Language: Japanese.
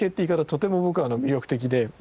とても僕は魅力的で。